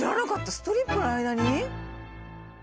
ストリップの間に？